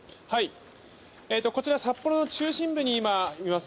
こちら札幌の中心部にいます。